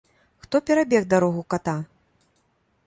Хто перабег дарогу ката?